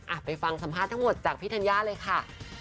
ไปฟังสัมภาษณ์ทั้งหมดจากพี่ธัญญาเลยค่ะ